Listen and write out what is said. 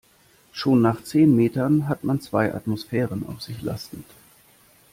Schon nach zehn Metern hat man zwei Atmosphären auf sich lastend.